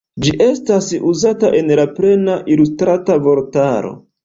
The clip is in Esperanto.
Ĝi estas uzata en la Plena Ilustrita Vortaro.